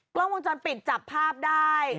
กล้องวงจรปิดจับภาพได้